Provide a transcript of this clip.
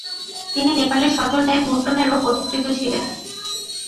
তিনি নেপালে সচল টাইপ মুদ্রণেরও পথিকৃৎ ছিলেন।